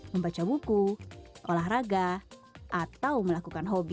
membaca buku olahraga atau melakukan hobi